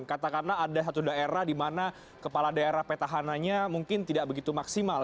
katakanlah ada satu daerah di mana kepala daerah petahananya mungkin tidak begitu maksimal